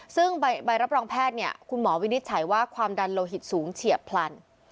ซึ่งใบรับรองแพทย์เนี่ยคุณหมอวินิจฉัยว่าความดันโลหิตสูงเฉียบพลัน